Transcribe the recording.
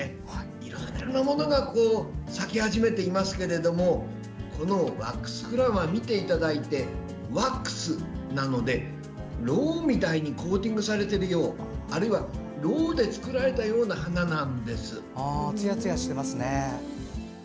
いろんなものが咲き始めていますけれどこのワックスフラワーを見ていただいてワックスなのでろうみたいにコーティングされているようなあるいは、ろうで作られたようなつやつやしてますね。